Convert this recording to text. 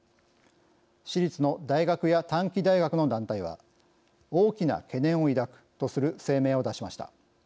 私立の大学や短期大学の団体は大きな懸念を抱くとする声明を出しました。